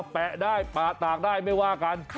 แปะได้ปะตากได้ไม่ว่ากัน